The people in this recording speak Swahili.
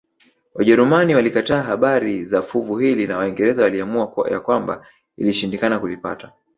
Wajerumani walikataa habari za fuvu hili na Waingereza waliamua ya kwamba ilishindikana kulipata